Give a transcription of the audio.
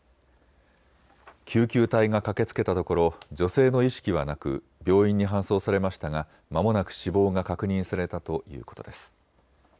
救急隊が駆けつけたところ女性の意識はなく病院に搬送されましたがまもなく死亡が確認されたということです。